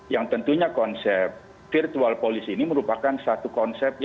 yang tentunya konsep virtual policy ini merupakan satu konsep